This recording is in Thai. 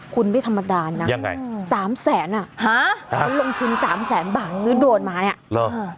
คุณพี่ธรรมดานนะ๓๐๐๐๐๐อ่ะลงทุน๓๐๐๐๐๐บาทซื้อโดรนมาเนี่ย